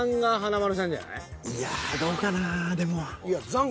いやどうかなでも。